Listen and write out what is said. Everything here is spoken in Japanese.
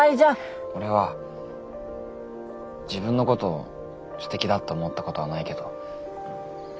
俺は自分のことをすてきだって思ったことはないけど。